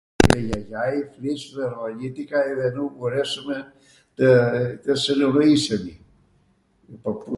jajai ishtw ... dhe nukw mboreswmw tw sinenoisemi.